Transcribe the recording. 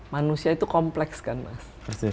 manusia itu kompleks kan mas